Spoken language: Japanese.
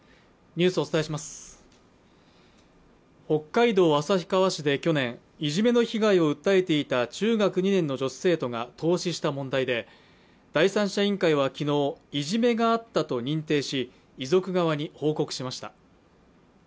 北海道旭川市で去年いじめの被害を訴えていた中学２年の女子生徒が凍死した問題で第三者委員会は昨日いじめがあったと認定し遺族側に報告しました。